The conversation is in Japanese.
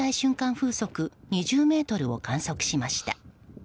風速２０メートルを観測しました。